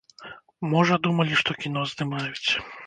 Можа, думалі, што кіно здымаюць.